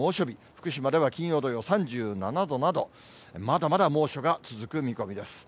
福島では金曜、土曜、３７度など、まだまだ猛暑が続く見込みです。